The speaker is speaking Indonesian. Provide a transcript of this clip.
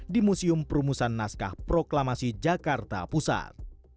di museum perumusan naskah proklamasi jakarta pusat